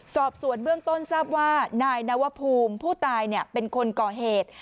สอบสวนเบื้องต้นทราบว่านายนวภูมิผู้ตายเป็นคนก่อเหตุ